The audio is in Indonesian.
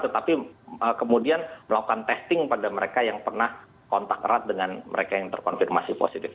tetapi kemudian melakukan testing pada mereka yang pernah kontak erat dengan mereka yang terkonfirmasi positif